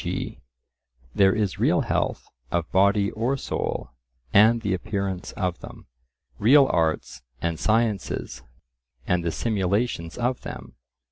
g. there is real health of body or soul, and the appearance of them; real arts and sciences, and the simulations of them.